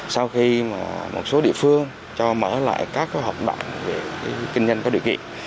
sau khi một số địa phương cho mở lại các hợp đoạn về kinh doanh có điều kiện